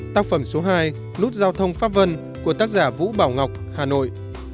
tác phẩm số hai nút giao thông pháp vân của tác giả vũ bảo ngọc hà nội